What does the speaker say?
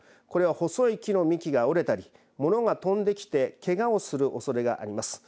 これは細い木の幹が折れたり物が飛んできてけがをするおそれがあります。